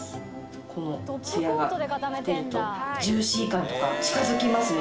このツヤが出るとジューシー感とか近づきますね